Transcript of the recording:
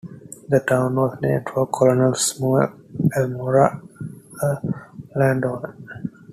The town was named for Colonel Samuel Elmore, a landowner.